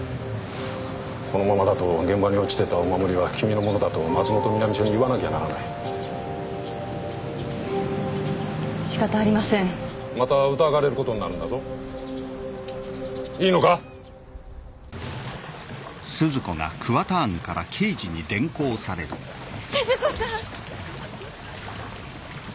このままだと現場に落ちてたお守りは君のものだと松本南署に言わなきゃならないしかたありませんまた疑われることになるんだぞいいのか⁉鈴子さん！